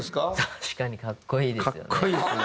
確かに格好いいですよね。